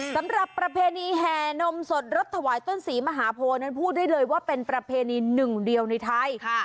ประเพณีแห่นมสดรสถวายต้นศรีมหาโพนั้นพูดได้เลยว่าเป็นประเพณีหนึ่งเดียวในไทย